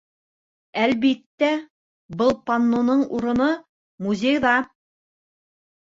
Әлбиттә, был панноның урыны - музейҙа.